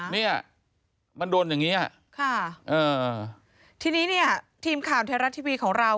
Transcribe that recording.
เนี่ยมันโดนอย่างเงี้อ่ะค่ะเออทีนี้เนี่ยทีมข่าวไทยรัฐทีวีของเรา